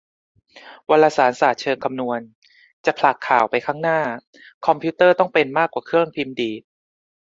วารสารศาสตร์เชิงคำนวณ : จะผลักข่าวไปข้างหน้า คอมพิวเตอร์ต้องเป็นมากกว่าเครื่องพิมพ์ดีด